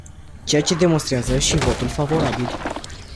Ceea ce demonstrează și votul favorabil.